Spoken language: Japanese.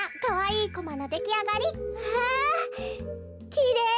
きれい！